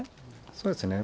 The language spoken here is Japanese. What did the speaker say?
そうですね。